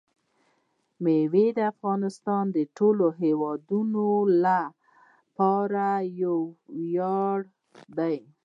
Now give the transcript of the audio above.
مېوې د افغانستان د ټولو هیوادوالو لپاره یو ویاړ دی.